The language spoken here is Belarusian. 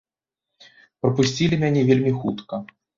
Прапусцілі мяне вельмі хутка.